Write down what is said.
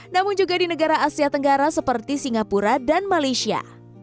namun juga di negara asia tenggara seperti singapura dan malaysia